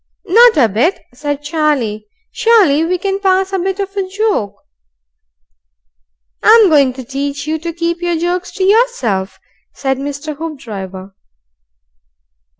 "Not a bit," said Charlie. "Surely we can pass a bit of a joke " "I'm going to teach you to keep your jokes to yourself," said Mr. Hoopdriver.